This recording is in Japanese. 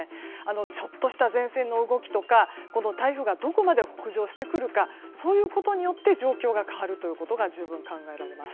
ちょっとした前線の動きとか台風がどこまで北上してくるかなどで状況が変わることが十分考えられます。